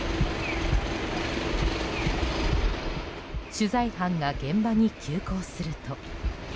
取材班が現場に急行すると。